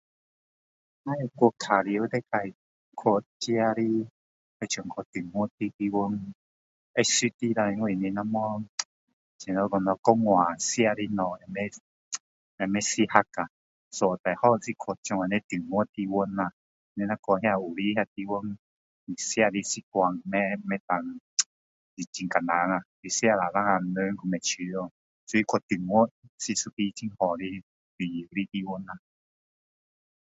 若要去玩大概去自己的就像中国的地方会熟的啦因为你不然啧怎么说咯讲话吃的东西也不啧也不适合啊所以最好是去这样子中国的地方啦你若去那有些的地方吃的习惯不不能啧很难啊你吃了人等下都不舒服所以去中国是一个很好的旅游的地方啦